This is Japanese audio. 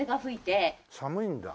寒いんだ。